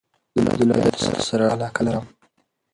زه له ادبیاتو سره علاقه لرم.